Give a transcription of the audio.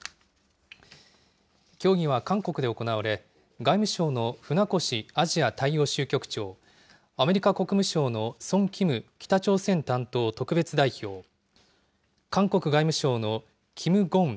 協議は韓国で行われ、外務省の船越アジア大洋州局長、アメリカ国務省のソン・キム北朝鮮担当特別代表、韓国外務省のキム・ゴン